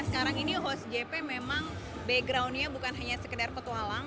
sekarang ini host jp memang backgroundnya bukan hanya sekedar petualang